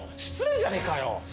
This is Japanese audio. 失礼じゃねえかよ！